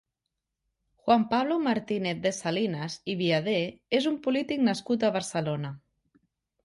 Juan Pablo Martinez de Salinas i Biader és un polític nascut a Barcelona.